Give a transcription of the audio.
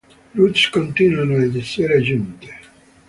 Routes continuano ad essere aggiunte.